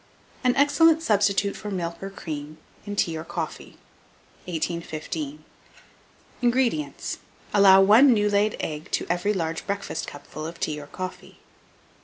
] AN EXCELLENT SUBSTITUTE FOR MILK OR CREAM IN TEA OR COFFEE. 1815. INGREDIENTS. Allow 1 new laid egg to every large breakfast cupful of tea or coffee.